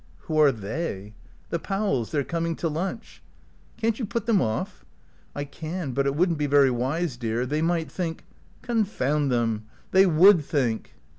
"Who are they?" "The Powells. They're coming to lunch." "Can't you put them off?" "I can, but it wouldn't be very wise, dear. They might think " "Confound them they would think."